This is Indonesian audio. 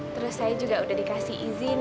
terus saya juga udah dikasih izin